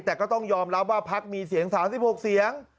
แต่ก็ต้องยอมรับว่าพักมีเสียง๓๖เสียง